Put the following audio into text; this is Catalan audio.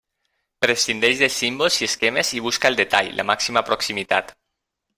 Prescindeix de símbols i esquemes i busca el detall, la màxima proximitat.